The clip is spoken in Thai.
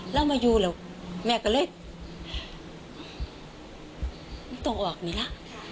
แล้วมาอยู่เราแม่ก็เล็ดไว้ต้องออกหน่อยล่ะ